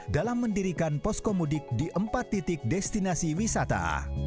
dalam mendirikan poskomudik di empat titik destinasi wisata